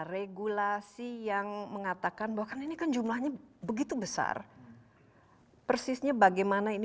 regulasi yang mengatakan bahwa kan ini kan jumlahnya begitu besar persisnya bagaimana ini